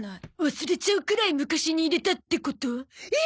忘れちゃうくらい昔に入れたってこと？え！？